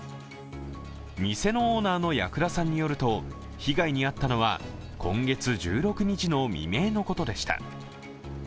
店のオーナーの矢倉さんによると被害に遭ったのは今月１６日の未明のことでした。